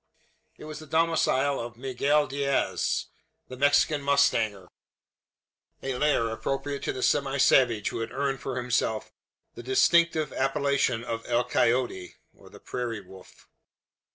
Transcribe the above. It was the domicile of Miguel Diaz, the Mexican mustanger a lair appropriate to the semi savage who had earned for himself the distinctive appellation of El Coyote ("Prairie Wolf.")